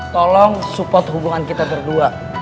tolong support hubungan kita berdua